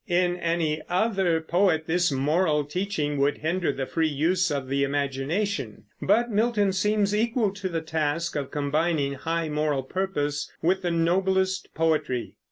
In any other poet this moral teaching would hinder the free use of the imagination; but Milton seems equal to the task of combining high moral purpose with the noblest poetry.